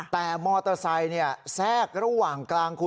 แต่คันทางนี้แทรกระหว่างกลางคุณ